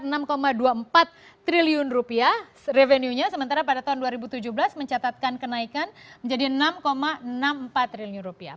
rp empat triliun revenue nya sementara pada tahun dua ribu tujuh belas mencatatkan kenaikan menjadi rp enam enam puluh empat triliun